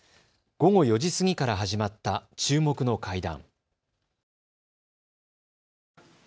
午後４時過ぎから始まった注目の会談。